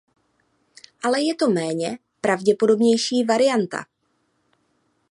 Ale je to méně pravděpodobnější varianta.